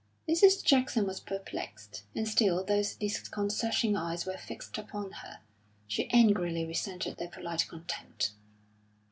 Mrs. Jackson was perplexed, and still those disconcerting eyes were fixed upon her; she angrily resented their polite contempt.